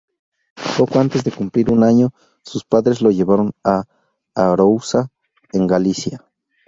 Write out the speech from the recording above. Poco antes de cumplir un año, sus padres lo llevaron a Arousa, en Galicia.